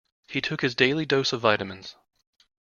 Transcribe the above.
He took his daily dose of vitamins.